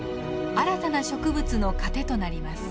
新たな植物の糧となります。